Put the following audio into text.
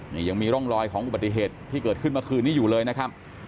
นี่ยังมีร่องรอยของอุบัติเหตุที่เกิดขึ้นเมื่อคืนนี้อยู่เลยนะครับ